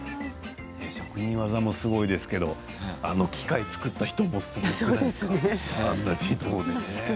職人技もすごいですけれどあの機械を作った人もすごくないですか？